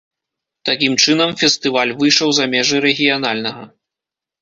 Такім чынам, фестываль выйшаў за межы рэгіянальнага.